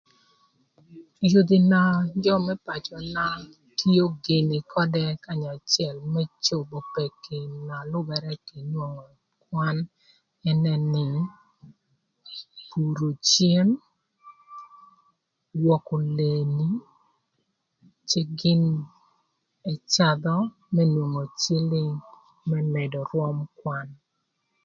Yodhi na jö më pacöna tio gïnï ködë kanya acël më cobo peki na lübërë kï nwongo kwan ënë nï, puro cem, gwökö leeni, kï gin n'ëcadhö më nwongo cïlïg më mëdö rwöm kwan.